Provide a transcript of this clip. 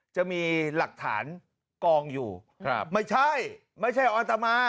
จะมีหลักฐานกองอยู่ครับไม่ใช่ไม่ใช่อัตมา